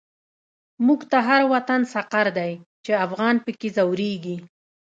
موږ ته هر وطن سقر دی، چی افغان په کی ځوريږی